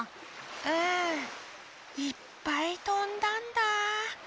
うんいっぱいとんだんだあ。